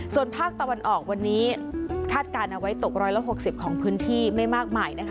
ส่วนภาคตะวันออกวันนี้คาดการณ์เอาไว้ตก๑๖๐ของพื้นที่ไม่มากมายนะคะ